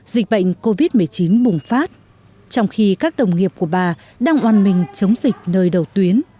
dịch bệnh covid một mươi chín bùng phát trong khi các đồng nghiệp của bà đang oan mình chống dịch nơi đầu tuyến